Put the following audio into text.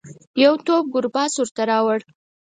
یو توپ کرباس ورته راووړ.